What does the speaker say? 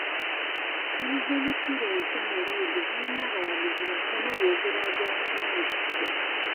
Ttiimu z'omupiira empya mu liigi zirina abawagizi batono bw'ogeraageranya n'enkadde.